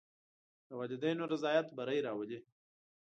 د والدینو رضایت بری راولي.